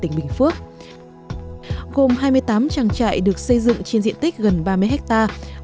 gồm hai mươi tám trang trại được xây dựng trên diện tích gần ba mươi hectare